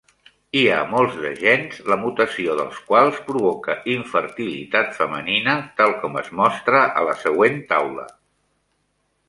Hi ha molts de gens la mutació dels quals provoca infertilitat femenina, tal com es mostra a la següent taula.